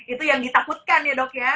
itu yang ditakutkan ya dok ya